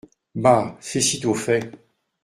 Bah ! c’est sitôt fait !